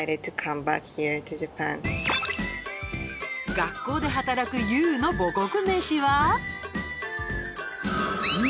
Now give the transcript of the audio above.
学校で働くＹＯＵの母国メシは？